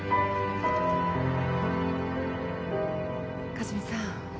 和美さん。